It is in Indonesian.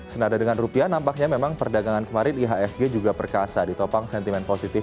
senada dengan rupiah nampaknya memang perdagangan kemarin ihsg juga perkasa ditopang sentimen positif